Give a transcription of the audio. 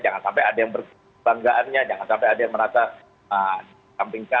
jangan sampai ada yang berbanggaannya jangan sampai ada yang merasa disampingkan